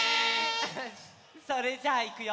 それじゃあいくよ。